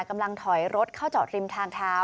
กำลังถอยรถเข้าจอดริมทางเท้า